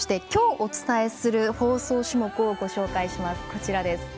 きょうお伝えする放送種目をご紹介します。